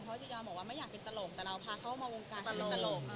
เพราะจียอนบอกว่าไม่อยากเป็นตลกแต่เราพาเข้ามาวงการเป็นตลก